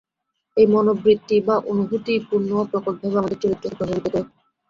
এই মনোবৃত্তি বা অনুভূতিই পূর্ণ ও প্রকটভাবে আমাদের চরিত্রকে প্রভাবিত করে।